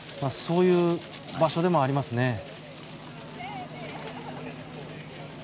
そういう場所でもありますね。